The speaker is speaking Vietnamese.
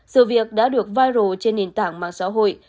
sự việc đã được viro trên nền tảng mạng xã hội